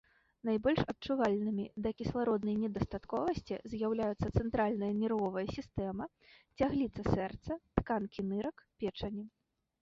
Найбольш адчувальнымі да кіслароднай недастатковасці з'яўляюцца цэнтральная нервовая сістэма, цягліца сэрца, тканкі нырак, печані.